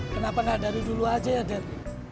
kenapa nggak dari dulu aja ya deddy